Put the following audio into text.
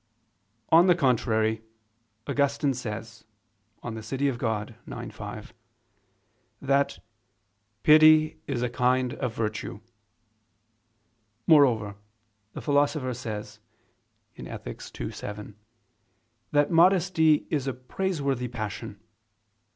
On the contrary, Augustine says (De Civ. Dei ix, 5) that "pity is a kind of virtue." Moreover, the Philosopher says (Ethic. ii, 7) that modesty is a praiseworthy passion.